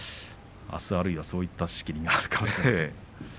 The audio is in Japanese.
あすあるいはそういう意識になるかもしれません。